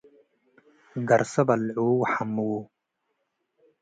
ገርሰ በልዕዉ ወሐምዉ።